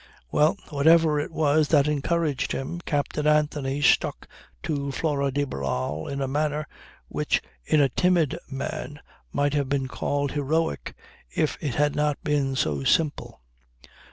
Well, whatever it was that encouraged him, Captain Anthony stuck to Flora de Barral in a manner which in a timid man might have been called heroic if it had not been so simple.